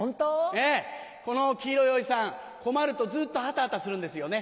ええこの黄色いおじさん困るとずっとハタハタするんですよね。